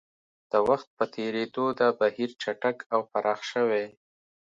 د وخت په تېرېدو دا بهیر چټک او پراخ شوی